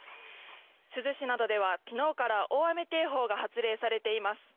珠洲市などでは昨日から大雨警報が発令されています。